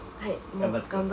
頑張ってください。